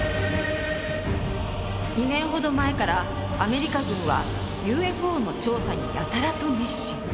２年ほど前からアメリカ軍はＵＦＯの調査にやたらと熱心。